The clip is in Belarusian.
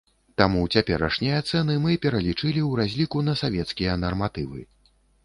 Таму цяперашнія цэны мы пералічылі ў разліку на савецкія нарматывы.